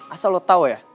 asal lo tau ya